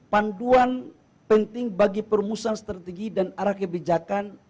panduan penting bagi perumusan strategi dan arah kebijakan